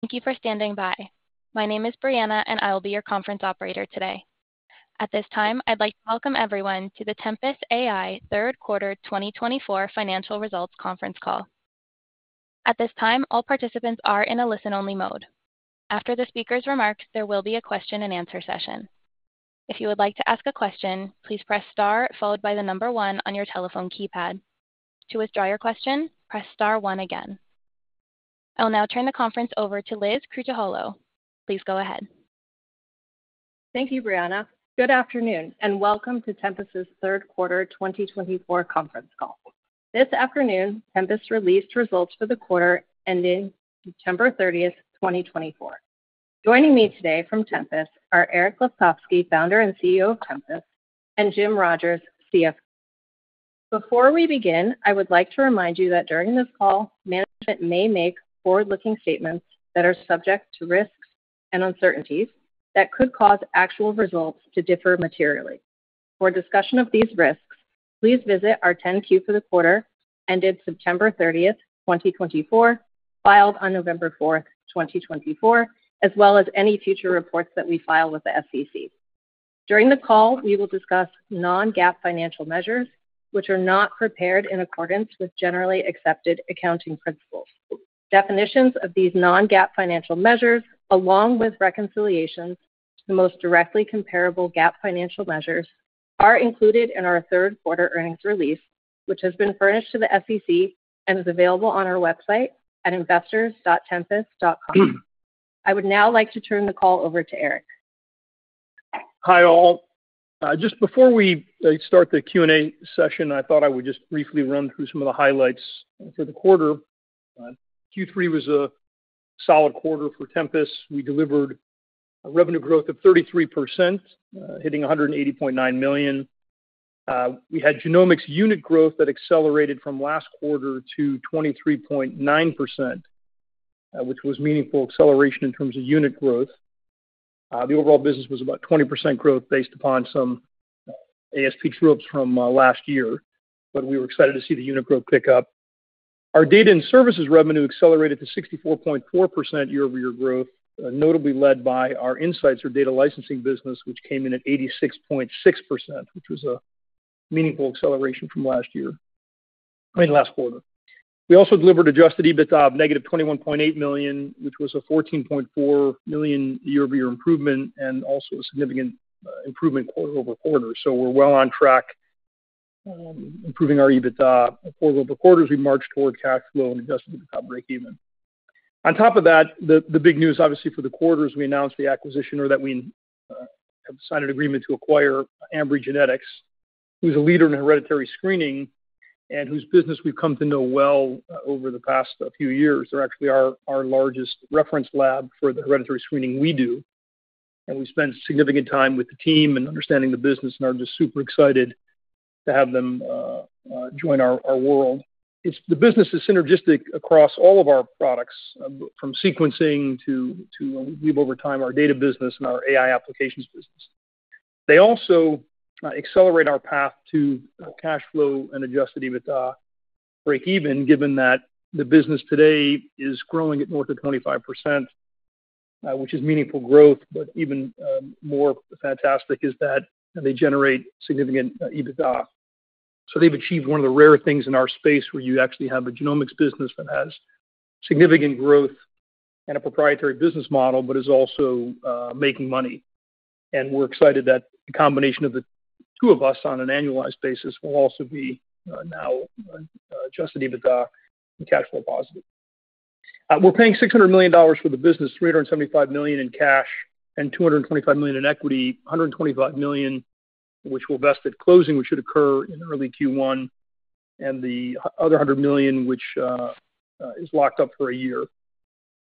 Thank you for standing by. My name is Brianna, and I will be your conference operator today. At this time, I'd like to welcome everyone to the Tempus AI third quarter 2024 financial results conference call. At this time, all participants are in a listen-only mode. After the speaker's remarks, there will be a question-and-answer session. If you would like to ask a question, please press star followed by the number one on your telephone keypad. To withdraw your question, press star one again. I'll now turn the conference over to Liz Krutoholow. Please go ahead. Thank you, Brianna. Good afternoon, and welcome to Tempus' third quarter 2024 conference call. This afternoon, Tempus released results for the quarter ending September 30, 2024. Joining me today from Tempus are Eric Lefkofsky, founder and CEO of Tempus, and Jim Rogers, CFO. Before we begin, I would like to remind you that during this call, management may make forward-looking statements that are subject to risks and uncertainties that could cause actual results to differ materially. For discussion of these risks, please visit our 10-Q for the quarter ended September 30, 2024, filed on November 4, 2024, as well as any future reports that we file with the SEC. During the call, we will discuss non-GAAP financial measures, which are not prepared in accordance with generally accepted accounting principles. Definitions of these non-GAAP financial measures, along with reconciliations to the most directly comparable GAAP financial measures, are included in our third quarter earnings release, which has been furnished to the SEC and is available on our website at investors.tempus.com. I would now like to turn the call over to Eric. Hi all. Just before we start the Q&A session, I thought I would just briefly run through some of the highlights for the quarter. Q3 was a solid quarter for Tempus. We delivered a revenue growth of 33%, hitting $180.9 million. We had genomics unit growth that accelerated from last quarter to 23.9%, which was a meaningful acceleration in terms of unit growth. The overall business was about 20% growth based upon some ASP drops from last year, but we were excited to see the unit growth pick up. Our data and services revenue accelerated to 64.4% year-over-year growth, notably led by our Insights or data licensing business, which came in at 86.6%, which was a meaningful acceleration from last year, I mean, last quarter. We also delivered Adjusted EBITDA of -$21.8 million, which was a $14.4 million year-over-year improvement and also a significant improvement quarter over quarter. So we're well on track improving our EBITDA. Quarter over quarter, as we march toward cash flow and Adjusted EBITDA break-even. On top of that, the big news, obviously, for the quarter is we announced the acquisition or that we have signed an agreement to acquire Ambry Genetics, who's a leader in hereditary screening and whose business we've come to know well over the past few years. They're actually our largest reference lab for the hereditary screening we do. And we spend significant time with the team and understanding the business, and are just super excited to have them join our world. The business is synergistic across all of our products, from sequencing to, we've over time, our data business and our AI applications business. They also accelerate our path to cash flow and Adjusted EBITDA break-even, given that the business today is growing at north of 25%, which is meaningful growth, but even more fantastic is that they generate significant EBITDA. So they've achieved one of the rare things in our space where you actually have a genomics business that has significant growth and a proprietary business model, but is also making money. And we're excited that the combination of the two of us on an annualized basis will also be now Adjusted EBITDA and cash flow positive. We're paying $600 million for the business, $375 million in cash and $225 million in equity, $125 million, which we'll vest at closing, which should occur in early Q1, and the other $100 million, which is locked up for a year.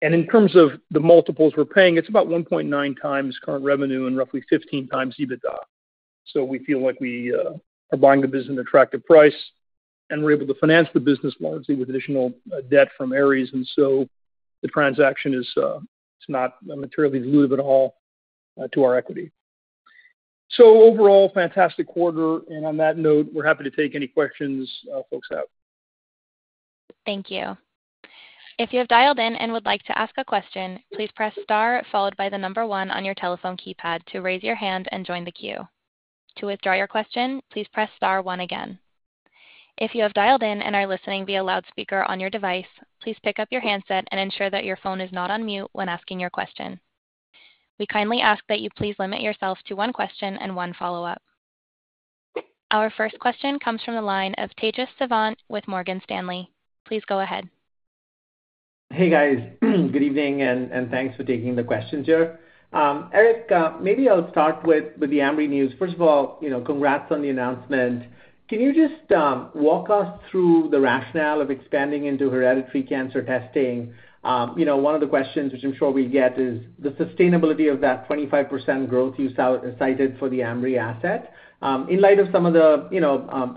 And in terms of the multiples we're paying, it's about 1.9 times current revenue and roughly 15 times EBITDA. So we feel like we are buying the business at an attractive price, and we're able to finance the business largely with additional debt from Ares. And so the transaction is not materially dilutive at all to our equity. So overall, fantastic quarter. And on that note, we're happy to take any questions, folks, out. Thank you. If you have dialed in and would like to ask a question, please press star followed by the number one on your telephone keypad to raise your hand and join the queue. To withdraw your question, please press star one again. If you have dialed in and are listening via loudspeaker on your device, please pick up your handset and ensure that your phone is not on mute when asking your question. We kindly ask that you please limit yourself to one question and one follow-up. Our first question comes from the line of Tejas Savant with Morgan Stanley. Please go ahead. Hey, guys. Good evening, and thanks for taking the questions here. Eric, maybe I'll start with the Ambry news. First of all, congrats on the announcement. Can you just walk us through the rationale of expanding into hereditary cancer testing? One of the questions which I'm sure we get is the sustainability of that 25% growth you cited for the Ambry asset in light of some of the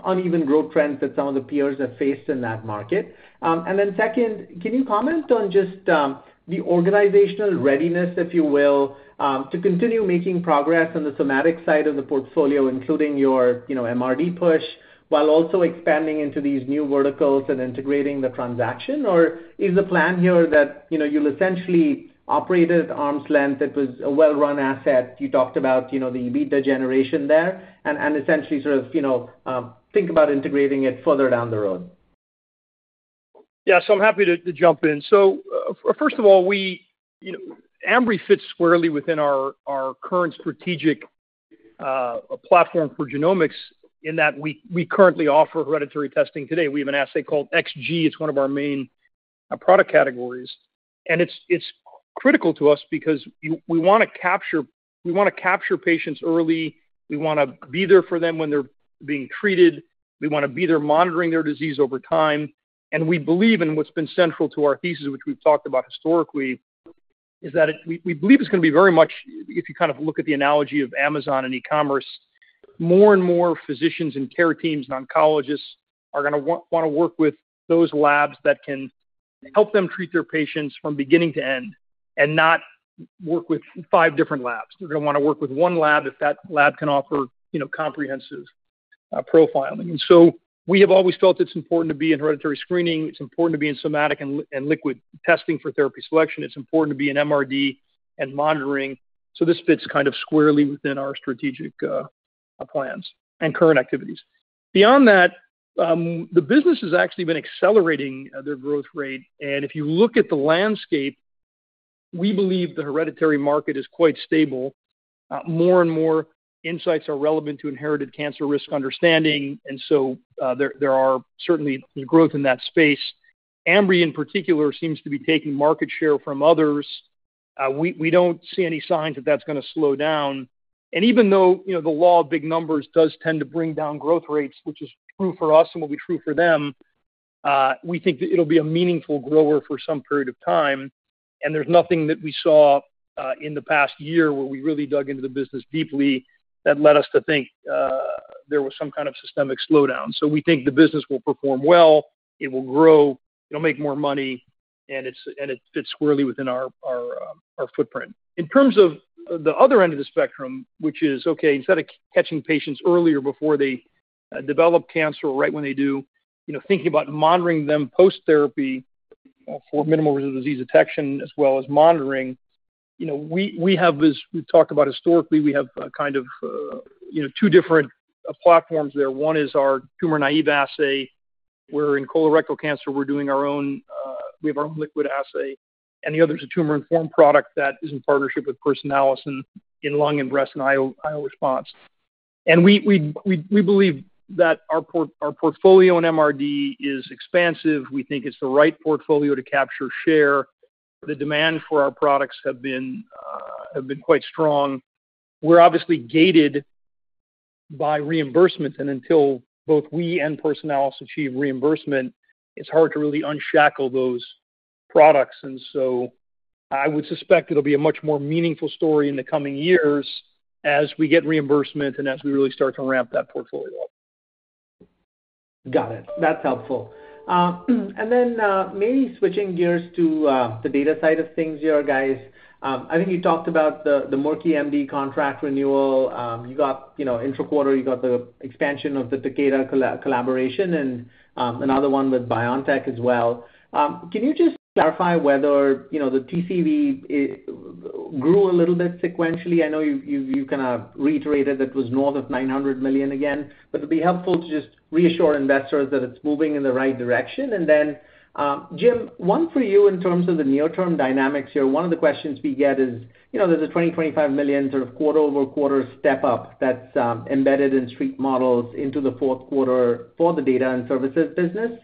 uneven growth trends that some of the peers have faced in that market. And then second, can you comment on just the organizational readiness, if you will, to continue making progress on the somatic side of the portfolio, including your MRD push, while also expanding into these new verticals and integrating the transaction? Or is the plan here that you'll essentially operate at arm's length? It was a well-run asset. You talked about the EBITDA generation there and essentially sort of think about integrating it further down the road. Yeah. So I'm happy to jump in. So first of all, Ambry fits squarely within our current strategic platform for genomics in that we currently offer hereditary testing today. We have an assay called xG. It's one of our main product categories. And it's critical to us because we want to capture patients early. We want to be there for them when they're being treated. We want to be there monitoring their disease over time. And we believe in what's been central to our thesis, which we've talked about historically, is that we believe it's going to be very much, if you kind of look at the analogy of Amazon and e-commerce, more and more physicians and care teams and oncologists are going to want to work with those labs that can help them treat their patients from beginning to end and not work with five different labs. They're going to want to work with one lab if that lab can offer comprehensive profiling, and so we have always felt it's important to be in hereditary screening. It's important to be in somatic and liquid testing for therapy selection. It's important to be in MRD and monitoring, so this fits kind of squarely within our strategic plans and current activities. Beyond that, the business has actually been accelerating their growth rate, and if you look at the landscape, we believe the hereditary market is quite stable. More and more insights are relevant to inherited cancer risk understanding, and so there are certainly growth in that space. Ambry, in particular, seems to be taking market share from others. We don't see any signs that that's going to slow down. And even though the law of big numbers does tend to bring down growth rates, which is true for us and will be true for them, we think it'll be a meaningful grower for some period of time. And there's nothing that we saw in the past year where we really dug into the business deeply that led us to think there was some kind of systemic slowdown. So we think the business will perform well. It will grow. It'll make more money. And it fits squarely within our footprint. In terms of the other end of the spectrum, which is, okay, instead of catching patients earlier before they develop cancer or right when they do, thinking about monitoring them post-therapy for minimal residual disease detection as well as monitoring, we have talked about historically, we have kind of two different platforms there. One is our tumor-naive assay, where in colorectal cancer, we're doing our own. We have our own liquid assay, and the other is a tumor-informed product that is in partnership with Personalis in lung and breast and immune response. We believe that our portfolio in MRD is expansive. We think it's the right portfolio to capture share. The demand for our products has been quite strong. We're obviously gated by reimbursement, and until both we and Personalis achieve reimbursement, it's hard to really unshackle those products. So I would suspect it'll be a much more meaningful story in the coming years as we get reimbursement and as we really start to ramp that portfolio up. Got it. That's helpful. And then maybe switching gears to the data side of things here, guys. I think you talked about the MolDX contract renewal. You got intra-quarter, you got the expansion of the Takeda collaboration and another one with BioNTech as well. Can you just clarify whether the TCV grew a little bit sequentially? I know you kind of reiterated that it was north of $900 million again, but it'd be helpful to just reassure investors that it's moving in the right direction. And then, Jim, one for you in terms of the near-term dynamics here. One of the questions we get is there's a $25 million sort of quarter-over-quarter step-up that's embedded in street models into the fourth quarter for the data and services business.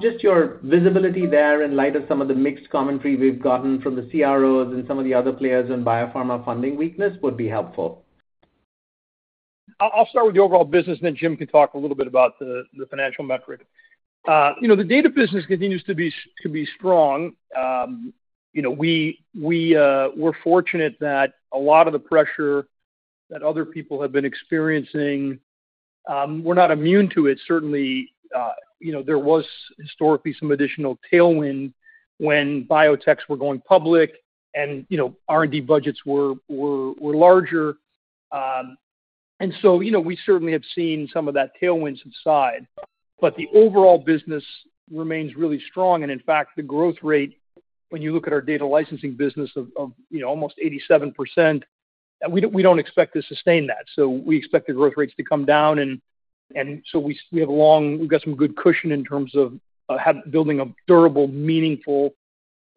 Just your visibility there in light of some of the mixed commentary we've gotten from the CROs and some of the other players on biopharma funding weakness would be helpful. I'll start with the overall business, and then Jim can talk a little bit about the financial metric. The data business continues to be strong. We're fortunate that a lot of the pressure that other people have been experiencing, we're not immune to it. Certainly, there was historically some additional tailwind when biotechs were going public and R&D budgets were larger, and so we certainly have seen some of that tailwind subside, but the overall business remains really strong, and in fact, the growth rate, when you look at our data licensing business of almost 87%, we don't expect to sustain that, so we expect the growth rates to come down, and so we've got some good cushion in terms of building a durable, meaningful,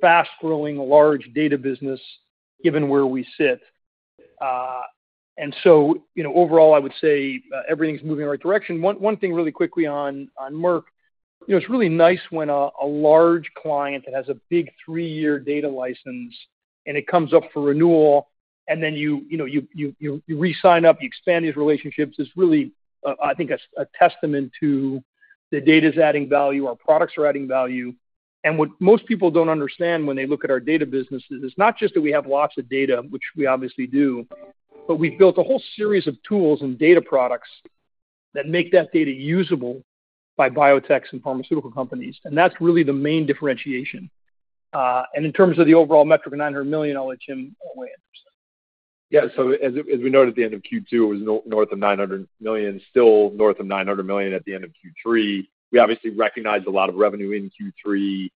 fast-growing, large data business given where we sit, and so overall, I would say everything's moving in the right direction. One thing really quickly on Merck. It's really nice when a large client that has a big three-year data license and it comes up for renewal, and then you re-sign up, you expand these relationships. It's really, I think, a testament to the data's adding value, our products are adding value. And what most people don't understand when they look at our data business is it's not just that we have lots of data, which we obviously do, but we've built a whole series of tools and data products that make that data usable by biotechs and pharmaceutical companies. And that's really the main differentiation. And in terms of the overall metric of $900 million, I'll let Jim weigh in. Yeah. So as we noted at the end of Q2, it was north of $900 million, still north of $900 million at the end of Q3. We obviously recognized a lot of revenue in Q3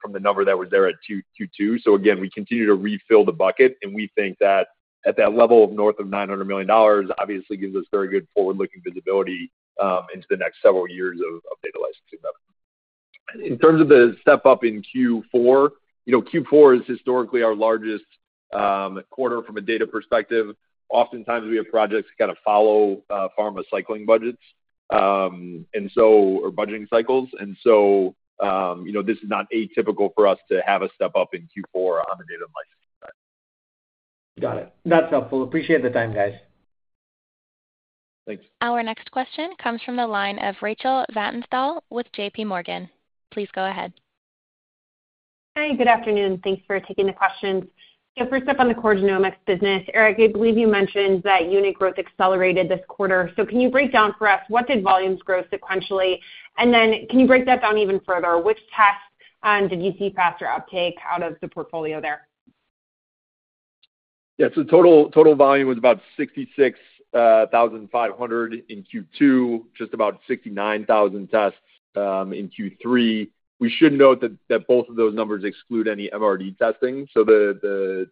from the number that was there at Q2. So again, we continue to refill the bucket. And we think that at that level of north of $900 million, obviously gives us very good forward-looking visibility into the next several years of data licensing revenue. In terms of the step-up in Q4, Q4 is historically our largest quarter from a data perspective. Oftentimes, we have projects that kind of follow pharma cycling budgets or budgeting cycles. And so this is not atypical for us to have a step-up in Q4 on the data and licensing side. Got it. That's helpful. Appreciate the time, guys. Thanks. Our next question comes from the line of Rachel Vatnsdal with JPMorgan. Please go ahead. Hi. Good afternoon. Thanks for taking the questions. So first up on the core genomics business, Eric, I believe you mentioned that unit growth accelerated this quarter. So can you break down for us what did volumes grow sequentially? And then can you break that down even further? Which tests did you see faster uptake out of the portfolio there? Yeah. So total volume was about 66,500 in Q2, just about 69,000 tests in Q3. We should note that both of those numbers exclude any MRD testing. So the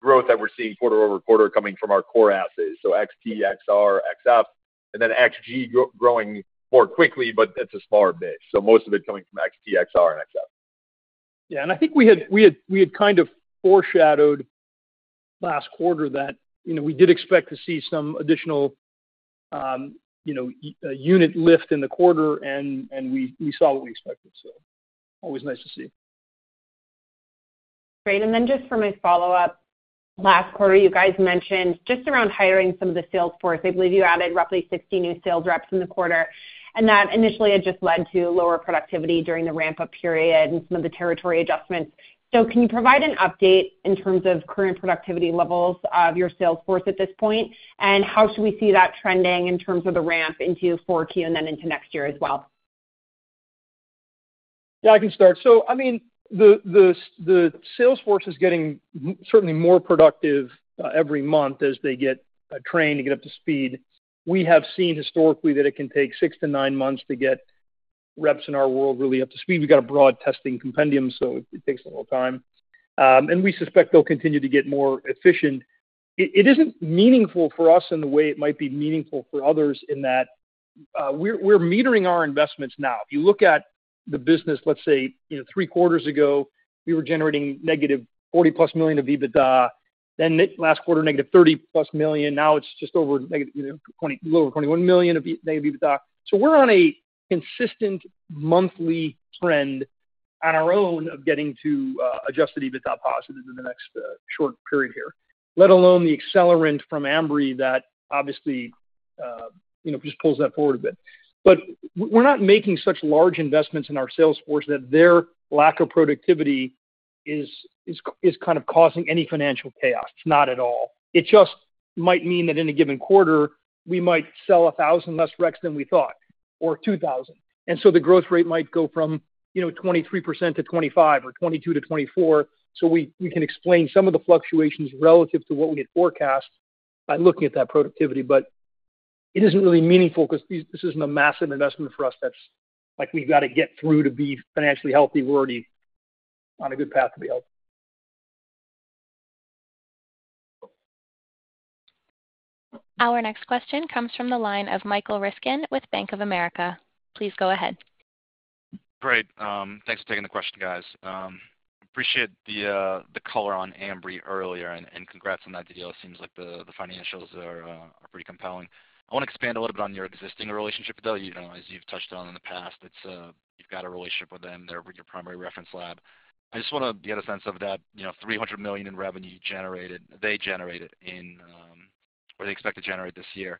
growth that we're seeing quarter over quarter coming from our core assays, so xT, xR, xF, and then xG growing more quickly, but it's a smaller base. So most of it coming from xT, xR, and xF. Yeah. And I think we had kind of foreshadowed last quarter that we did expect to see some additional unit lift in the quarter, and we saw what we expected. So always nice to see. Great, and then just for my follow-up, last quarter, you guys mentioned just around hiring some of the sales force. I believe you added roughly 60 new sales reps in the quarter. And that initially had just led to lower productivity during the ramp-up period and some of the territory adjustments, so can you provide an update in terms of current productivity levels of your sales force at this point, and how should we see that trending in terms of the ramp into Q4 and then into next year as well? Yeah, I can start. So I mean, the sales force is getting certainly more productive every month as they get trained and get up to speed. We have seen historically that it can take six to nine months to get reps in our world really up to speed. We've got a broad testing compendium, so it takes a little time. And we suspect they'll continue to get more efficient. It isn't meaningful for us in the way it might be meaningful for others in that we're metering our investments now. If you look at the business, let's say three quarters ago, we were generating -$40 million-plus of EBITDA. Then last quarter, -$30 million-plus. Now it's just over a little over $21 million of negative EBITDA. So we're on a consistent monthly trend on our own of getting to Adjusted EBITDA positive in the next short period here, let alone the accelerant from Ambry that obviously just pulls that forward a bit. But we're not making such large investments in our sales force that their lack of productivity is kind of causing any financial chaos. It's not at all. It just might mean that in a given quarter, we might sell 1,000 less reps than we thought or 2,000. And so the growth rate might go from 23%-25% or 22%-24%. So we can explain some of the fluctuations relative to what we had forecast by looking at that productivity. But it isn't really meaningful because this isn't a massive investment for us that's like we've got to get through to be financially healthy. We're already on a good path to be healthy. Our next question comes from the line of Michael Ryskin with Bank of America. Please go ahead. Great. Thanks for taking the question, guys. Appreciate the color on Ambry earlier and congrats on that deal. It seems like the financials are pretty compelling. I want to expand a little bit on your existing relationship though. As you've touched on in the past, you've got a relationship with them. They're your primary reference lab. I just want to get a sense of that $300 million in revenue they generated or they expect to generate this year.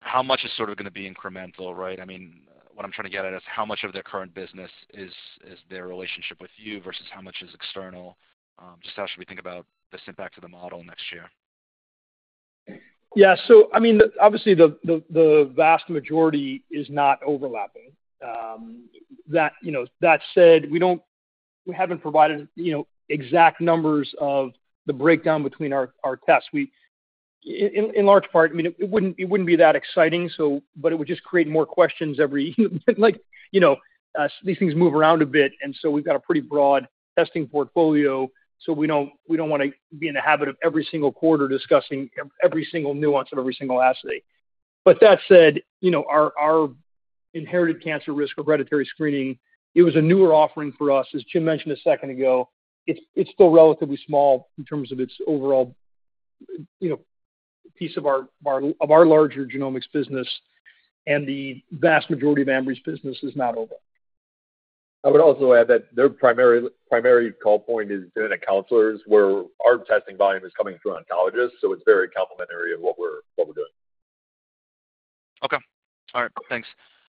How much is sort of going to be incremental, right? I mean, what I'm trying to get at is how much of their current business is their relationship with you versus how much is external? Just how should we think about this impact of the model next year? Yeah. So I mean, obviously, the vast majority is not overlapping. That said, we haven't provided exact numbers of the breakdown between our tests. In large part, I mean, it wouldn't be that exciting, but it would just create more questions every these things move around a bit. We've got a pretty broad testing portfolio. We don't want to be in the habit of every single quarter discussing every single nuance of every single assay. Our inherited cancer risk hereditary screening was a newer offering for us. As Jim mentioned a second ago, it's still relatively small in terms of its overall piece of our larger genomics business. The vast majority of Ambry's business is not over. I would also add that their primary call point is genetic counselors where our testing volume is coming through oncologists. So it's very complementary of what we're doing. Okay. All right. Thanks.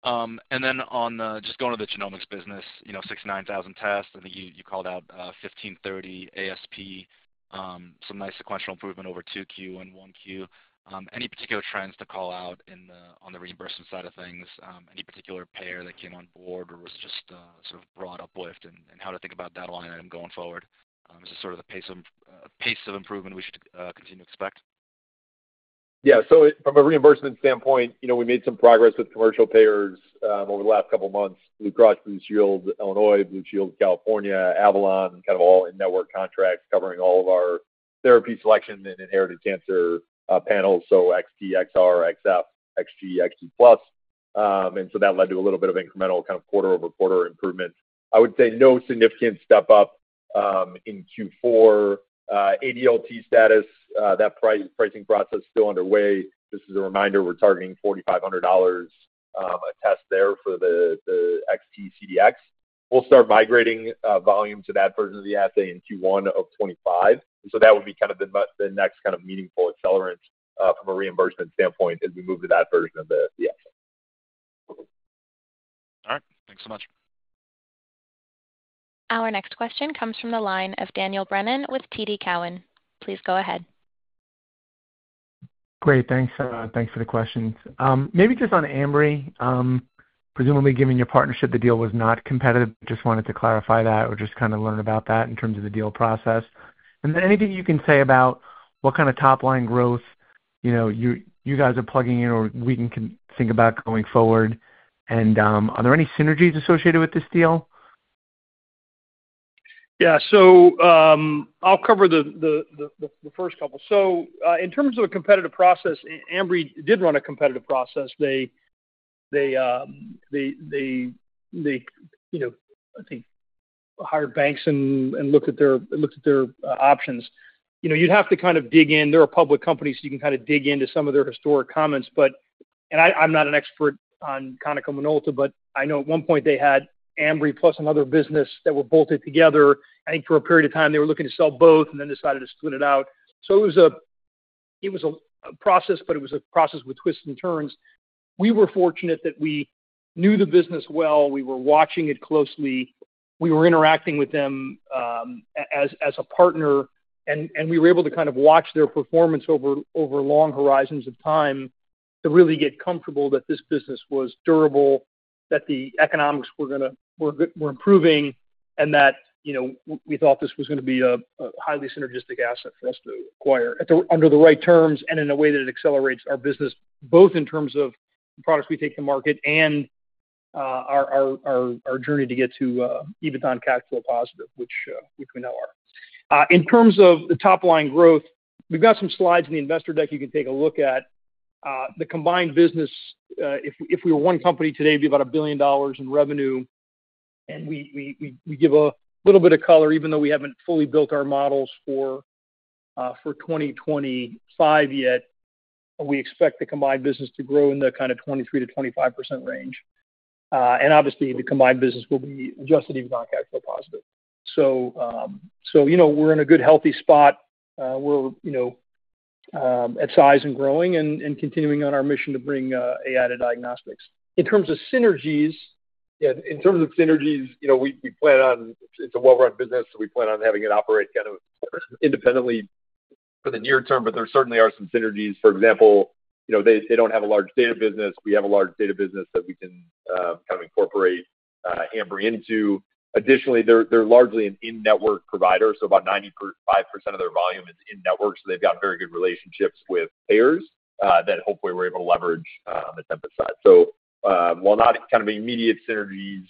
And then on just going to the genomics business, 69,000 tests, I think you called out $1,530 ASP, some nice sequential improvement over 2Q and 1Q. Any particular trends to call out on the reimbursement side of things? Any particular payer that came on board or was just sort of brought up with and how to think about that line item going forward? Is this sort of the pace of improvement we should continue to expect? Yeah. So from a reimbursement standpoint, we made some progress with commercial payers over the last couple of months: Blue Cross and Blue Shield of Illinois, Blue Shield of California, Avalon, kind of all in-network contracts covering all of our therapy selection and inherited cancer panels. So xT, xR, xF, xG, xG+. And so that led to a little bit of incremental kind of quarter-over-quarter improvement. I would say no significant step-up in Q4. ADLT status, that pricing process still underway. Just as a reminder, we're targeting $4,500 a test there for the xT CDx. We'll start migrating volume to that version of the assay in Q1 of 2025. And so that would be kind of the next kind of meaningful accelerant from a reimbursement standpoint as we move to that version of the assay. All right. Thanks so much. Our next question comes from the line of Daniel Brennan with TD Cowen. Please go ahead. Great. Thanks. Thanks for the questions. Maybe just on Ambry, presumably given your partnership, the deal was not competitive. Just wanted to clarify that or just kind of learn about that in terms of the deal process. And then anything you can say about what kind of top-line growth you guys are plugging in or we can think about going forward? And are there any synergies associated with this deal? Yeah. So I'll cover the first couple. So in terms of a competitive process, Ambry did run a competitive process. They hired banks and looked at their options. You'd have to kind of dig in. They're a public company, so you can kind of dig into some of their historic comments. And I'm not an expert on Konica Minolta, but I know at one point they had Ambry plus another business that were bolted together. I think for a period of time, they were looking to sell both and then decided to split it out. So it was a process, but it was a process with twists and turns. We were fortunate that we knew the business well. We were watching it closely. We were interacting with them as a partner. We were able to kind of watch their performance over long horizons of time to really get comfortable that this business was durable, that the economics were improving, and that we thought this was going to be a highly synergistic asset for us to acquire under the right terms and in a way that it accelerates our business, both in terms of the products we take to market and our journey to get to EBITDA and cash flow positive, which we now are. In terms of the top-line growth, we've got some slides in the investor deck you can take a look at. The combined business, if we were one company today, it'd be about $1 billion in revenue. We give a little bit of color, even though we haven't fully built our models for 2025 yet. We expect the combined business to grow in the kind of 23%-25% range. And obviously, the combined business will be Adjusted EBITDA and cash flow positive. So we're in a good, healthy spot. We're at size and growing and continuing on our mission to bring AI to diagnostics. In terms of synergies? Yeah. In terms of synergies, we plan on it's a well-run business, so we plan on having it operate kind of independently for the near term. But there certainly are some synergies. For example, they don't have a large data business. We have a large data business that we can kind of incorporate Ambry into. Additionally, they're largely an in-network provider. So about 95% of their volume is in-network. So they've got very good relationships with payers that hopefully we're able to leverage at Tempus AI. So while not kind of immediate synergies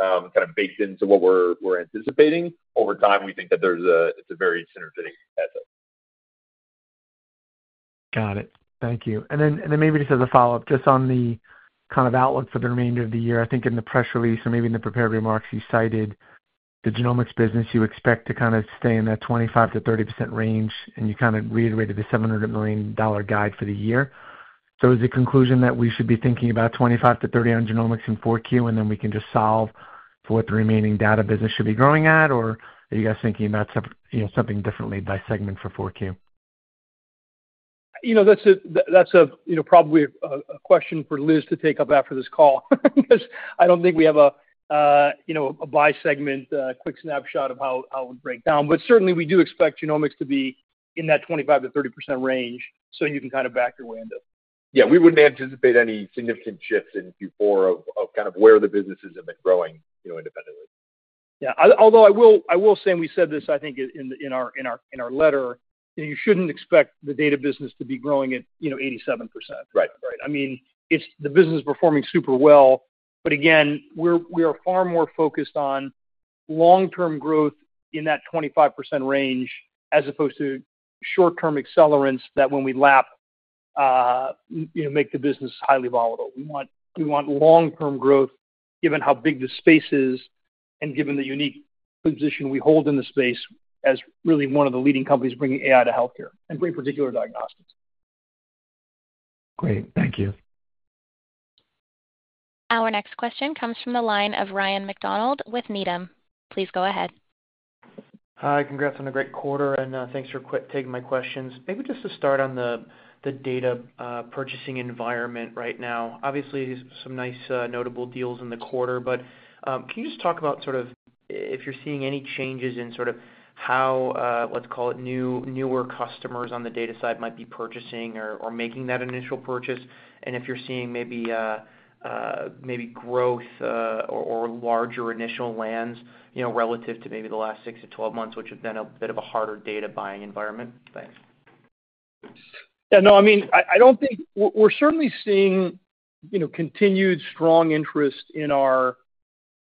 kind of baked into what we're anticipating, over time, we think that it's a very synergistic asset. Got it. Thank you. And then maybe just as a follow-up, just on the kind of outlook for the remainder of the year, I think in the press release or maybe in the prepared remarks, you cited the genomics business. You expect to kind of stay in that 25%-30% range. And you kind of reiterated the $700 million guide for the year. So is the conclusion that we should be thinking about 25%-30% on genomics in 4Q, and then we can just solve for what the remaining data business should be growing at? Or are you guys thinking about something differently by segment for 4Q? That's probably a question for Liz to take up after this call because I don't think we have a by-segment quick snapshot of how it would break down. But certainly, we do expect genomics to be in that 25%-30% range. So you can kind of back your way into it. Yeah. We wouldn't anticipate any significant shift in Q4 of kind of where the businesses have been growing independently. Yeah. Although I will say, and we said this, I think, in our letter, you shouldn't expect the data business to be growing at 87%. Right. I mean, the business is performing super well. But again, we are far more focused on long-term growth in that 25% range as opposed to short-term accelerants that when we lap, make the business highly volatile. We want long-term growth, given how big the space is and given the unique position we hold in the space as really one of the leading companies bringing AI to healthcare and bringing particular diagnostics. Great. Thank you. Our next question comes from the line of Ryan MacDonald with Needham & Company. Please go ahead. Hi. Congrats on a great quarter. And thanks for taking my questions. Maybe just to start on the data purchasing environment right now. Obviously, some nice notable deals in the quarter. But can you just talk about sort of if you're seeing any changes in sort of how, let's call it, newer customers on the data side might be purchasing or making that initial purchase? And if you're seeing maybe growth or larger initial lands relative to maybe the last six to 12 months, which have been a bit of a harder data buying environment? Thanks. Yeah. No, I mean, I don't think we're certainly seeing continued strong interest in our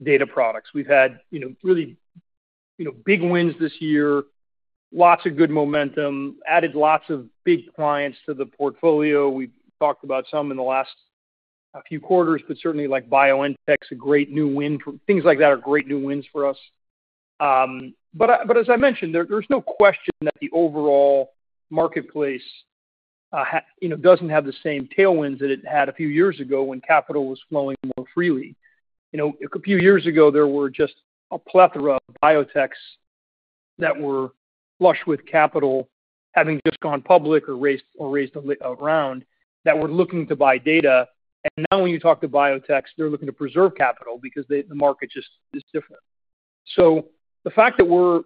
data products. We've had really big wins this year, lots of good momentum, added lots of big clients to the portfolio. We've talked about some in the last few quarters, but certainly like BioNTech's a great new win. Things like that are great new wins for us. But as I mentioned, there's no question that the overall marketplace doesn't have the same tailwinds that it had a few years ago when capital was flowing more freely. A few years ago, there were just a plethora of biotechs that were flush with capital having just gone public or raised a round that were looking to buy data. And now when you talk to biotechs, they're looking to preserve capital because the market just is different. So the fact that we're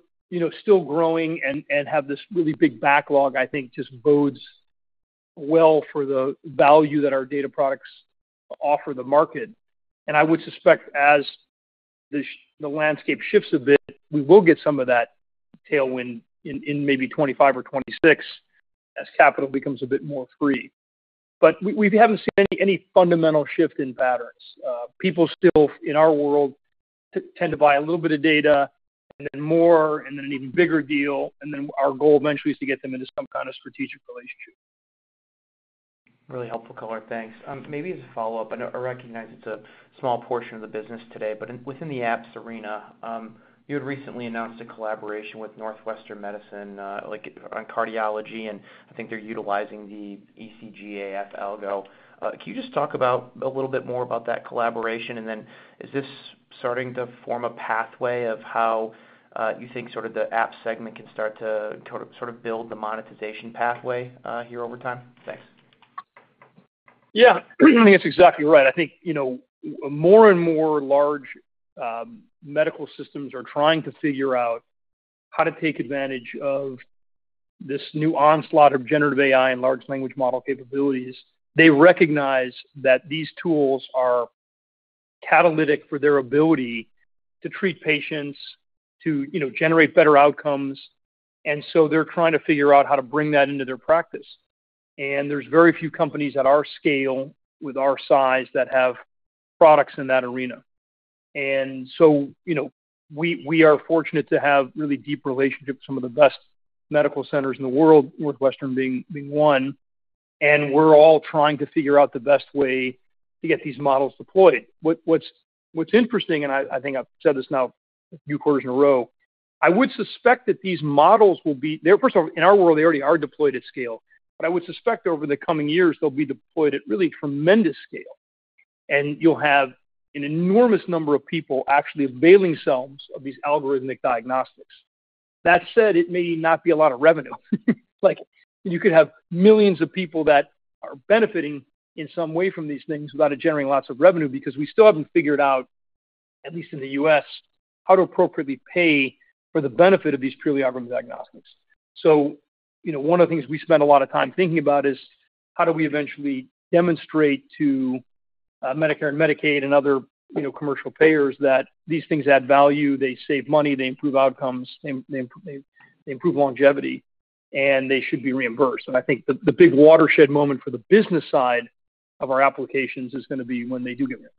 still growing and have this really big backlog, I think, just bodes well for the value that our data products offer the market. And I would suspect as the landscape shifts a bit, we will get some of that tailwind in maybe 2025 or 2026 as capital becomes a bit more free. But we haven't seen any fundamental shift in patterns. People still in our world tend to buy a little bit of data and then more and then an even bigger deal. And then our goal eventually is to get them into some kind of strategic relationship. Really helpful, Eric. Thanks. Maybe as a follow-up, I recognize it's a small portion of the business today, but within the Apps arena, you had recently announced a collaboration with Northwestern Medicine on cardiology. And I think they're utilizing the ECG-AF algo. Can you just talk a little bit more about that collaboration? And then is this starting to form a pathway of how you think sort of the Apps segment can start to sort of build the monetization pathway here over time? Thanks. Yeah. I think that's exactly right. I think more and more large medical systems are trying to figure out how to take advantage of this new onslaught of generative AI and large language model capabilities. They recognize that these tools are catalytic for their ability to treat patients, to generate better outcomes. And so they're trying to figure out how to bring that into their practice. And there's very few companies at our scale with our size that have products in that arena. And so we are fortunate to have really deep relationships with some of the best medical centers in the world, Northwestern being one. And we're all trying to figure out the best way to get these models deployed. What's interesting, and I think I've said this now a few quarters in a row, I would suspect that these models will be first of all, in our world, they already are deployed at scale. But I would suspect over the coming years, they'll be deployed at really tremendous scale. And you'll have an enormous number of people actually availing sums of these algorithmic diagnostics. That said, it may not be a lot of revenue. You could have millions of people that are benefiting in some way from these things without it generating lots of revenue because we still haven't figured out, at least in the U.S., how to appropriately pay for the benefit of these purely algorithmic diagnostics. So one of the things we spend a lot of time thinking about is how do we eventually demonstrate to Medicare and Medicaid and other commercial payers that these things add value, they save money, they improve outcomes, they improve longevity, and they should be reimbursed. And I think the big watershed moment for the business side of our applications is going to be when they do get reimbursed.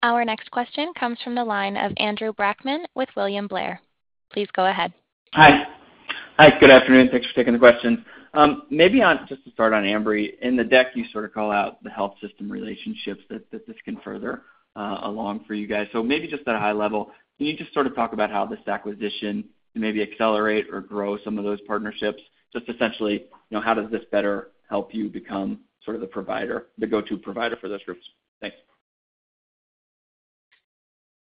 Our next question comes from the line of Andrew Brackmann with William Blair. Please go ahead. Hi. Hi. Good afternoon. Thanks for taking the question. Maybe just to start on Ambry, in the deck, you sort of call out the health system relationships that this can further along for you guys. So maybe just at a high level, can you just sort of talk about how this acquisition can maybe accelerate or grow some of those partnerships? Just essentially, how does this better help you become sort of the provider, the go-to provider for those groups? Thanks.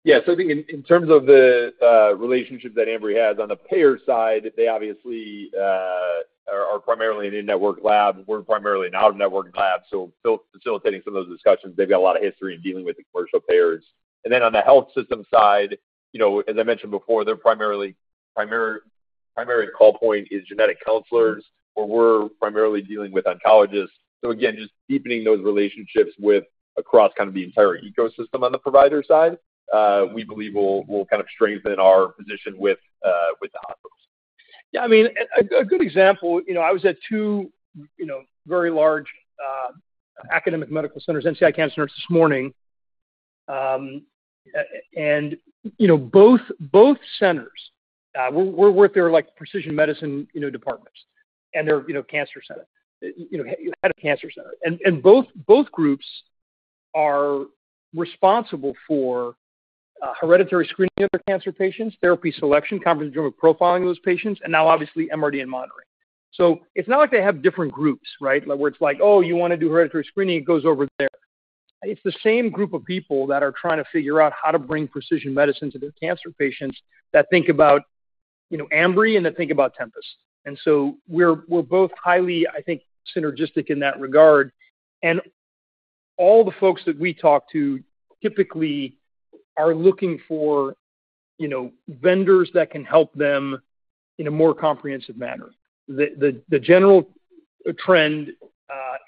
Yeah. So I think in terms of the relationship that Ambry has on the payer side, they obviously are primarily an in-network lab. We're primarily an out-of-network lab. So facilitating some of those discussions, they've got a lot of history in dealing with the commercial payers. And then on the health system side, as I mentioned before, their primary call point is genetic counselors, or we're primarily dealing with oncologists. So again, just deepening those relationships across kind of the entire ecosystem on the provider side, we believe will kind of strengthen our position with the hospitals. Yeah. I mean, a good example, I was at two very large academic medical centers, NCI Cancer Centers this morning. And both centers, we're with their precision medicine departments, and they're a cancer center, head of cancer center. And both groups are responsible for hereditary screening of their cancer patients, therapy selection, comprehensive genetic profiling of those patients, and now obviously MRD and monitoring. So it's not like they have different groups, right, where it's like, "Oh, you want to do hereditary screening, it goes over there." It's the same group of people that are trying to figure out how to bring precision medicine to their cancer patients that think about Ambry and that think about Tempus. And so we're both highly, I think, synergistic in that regard. And all the folks that we talk to typically are looking for vendors that can help them in a more comprehensive manner. The general trend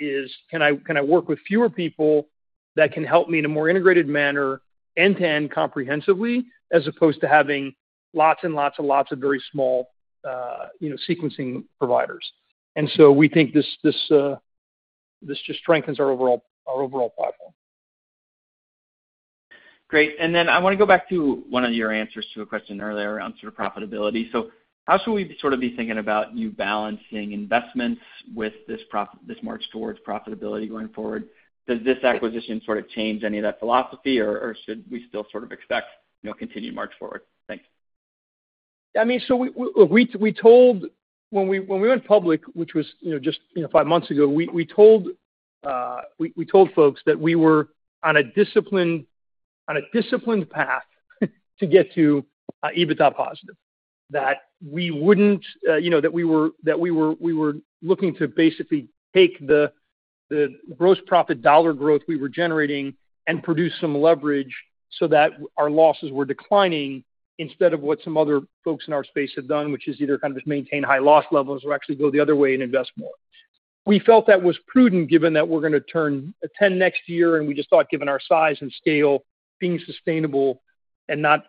is, "Can I work with fewer people that can help me in a more integrated manner, end-to-end comprehensively," as opposed to having lots and lots and lots of very small sequencing providers. And so we think this just strengthens our overall platform. Great. And then I want to go back to one of your answers to a question earlier on sort of profitability. So how should we sort of be thinking about you balancing investments with this march towards profitability going forward? Does this acquisition sort of change any of that philosophy, or should we still sort of expect continued march forward? Thanks. Yeah. I mean, so look, we told when we went public, which was just five months ago, we told folks that we were on a disciplined path to get to EBITDA positive. That we wouldn't, that we were looking to basically take the gross profit dollar growth we were generating and produce some leverage so that our losses were declining instead of what some other folks in our space have done, which is either kind of just maintain high loss levels or actually go the other way and invest more. We felt that was prudent given that we're going to turn a 10 next year. And we just thought, given our size and scale, being sustainable and not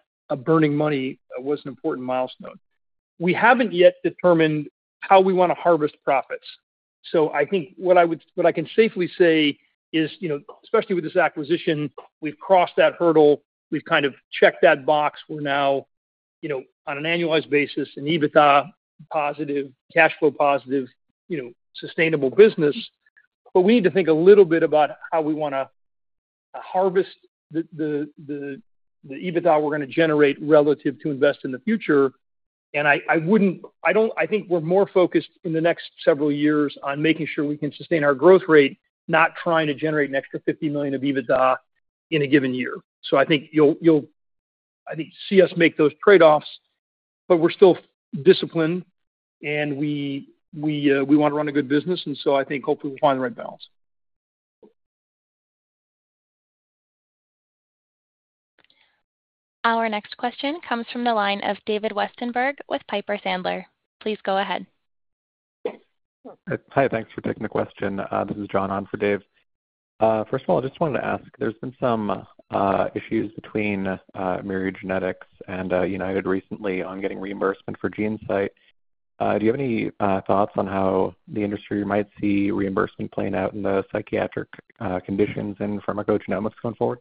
burning money was an important milestone. We haven't yet determined how we want to harvest profits. So I think what I can safely say is, especially with this acquisition, we've crossed that hurdle. We've kind of checked that box. We're now on an annualized basis, an EBITDA positive, cash flow positive, sustainable business. But we need to think a little bit about how we want to harvest the EBITDA we're going to generate relative to invest in the future. And I think we're more focused in the next several years on making sure we can sustain our growth rate, not trying to generate an extra $50 million of EBITDA in a given year. So I think you'll see us make those trade-offs. But we're still disciplined, and we want to run a good business. And so I think hopefully we'll find the right balance. Our next question comes from the line of David Westenberg with Piper Sandler. Please go ahead. Hi. Thanks for taking the question. This is John on for Dave. First of all, I just wanted to ask, there's been some issues between Myriad Genetics and UnitedHealthcare recently on getting reimbursement for GeneSight. Do you have any thoughts on how the industry might see reimbursement playing out in the psychiatric conditions and pharmacogenomics going forward?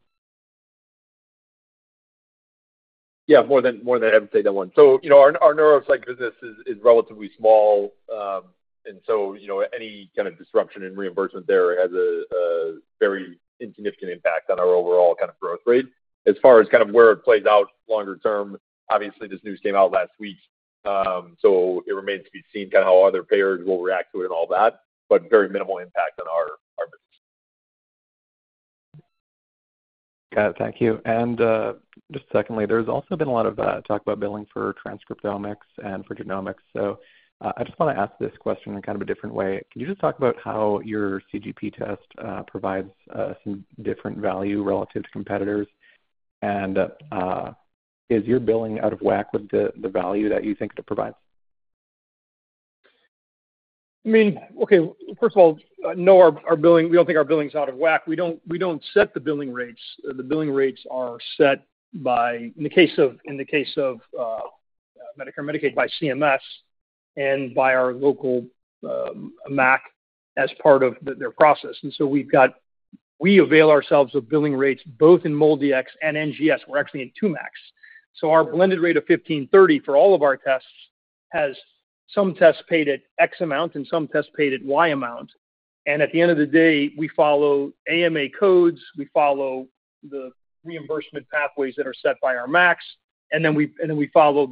Yeah. More than I would say that one. So our neuropsych business is relatively small. And so any kind of disruption in reimbursement there has a very insignificant impact on our overall kind of growth rate. As far as kind of where it plays out longer term, obviously this news came out last week. So it remains to be seen kind of how other payers will react to it and all that, but very minimal impact on our business. Got it. Thank you. And just secondly, there's also been a lot of talk about billing for transcriptomics and for genomics. So I just want to ask this question in kind of a different way. Can you just talk about how your CGP test provides some different value relative to competitors? And is your billing out of whack with the value that you think it provides? I mean, okay. First of all, no, we don't think our billing's out of whack. We don't set the billing rates. The billing rates are set by, in the case of Medicare and Medicaid, by CMS and by our local MAC as part of their process. And so we avail ourselves of billing rates both in MolDX and NGS. We're actually in two MACs. So our blended rate of $1,530 for all of our tests has some tests paid at X amount and some tests paid at Y amount. And at the end of the day, we follow AMA codes. We follow the reimbursement pathways that are set by our MACs. And then we follow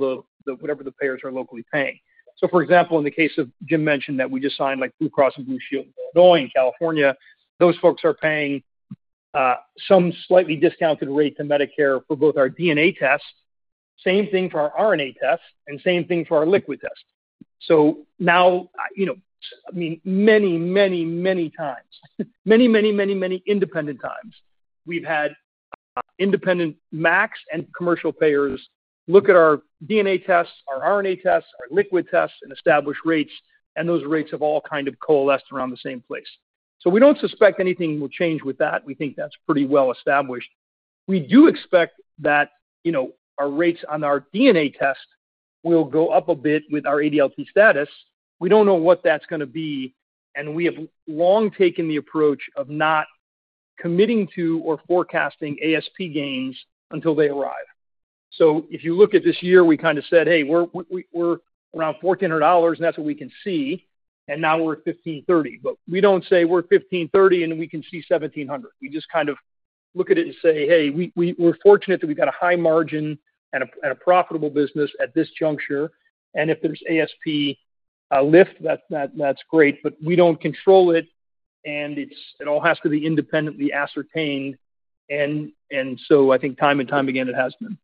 whatever the payers are locally paying. So for example, in the case of Jim mentioned that we just signed Blue Cross and Blue Shield in Illinois and California, those folks are paying some slightly discounted rate to Medicare for both our DNA tests, same thing for our RNA tests, and same thing for our liquid tests. So now, I mean, many, many, many times, many, many, many, many independent times, we've had independent MACs and commercial payers look at our DNA tests, our RNA tests, our liquid tests, and establish rates. And those rates have all kind of coalesced around the same place. So we don't suspect anything will change with that. We think that's pretty well established. We do expect that our rates on our DNA test will go up a bit with our ADLT status. We don't know what that's going to be. And we have long taken the approach of not committing to or forecasting ASP gains until they arrive. So if you look at this year, we kind of said, "Hey, we're around $1,400, and that's what we can see." And now we're at $1,530. But we don't say we're at $1,530 and we can see $1,700. We just kind of look at it and say, "Hey, we're fortunate that we've got a high margin and a profitable business at this juncture." And if there's ASP lift, that's great. But we don't control it. And it all has to be independently ascertained. And so I think time and time again, it has been.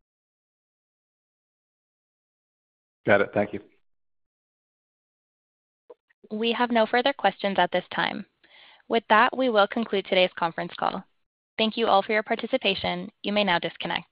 Got it. Thank you. We have no further questions at this time. With that, we will conclude today's conference call. Thank you all for your participation. You may now disconnect.